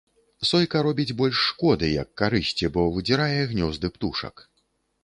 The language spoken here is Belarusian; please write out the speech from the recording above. Сойка робіць больш шкоды, як карысці, бо выдзірае гнёзды птушак.